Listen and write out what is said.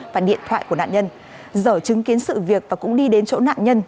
và điện thoại của nạn nhân dở chứng kiến sự việc và cũng đi đến chỗ nạn nhân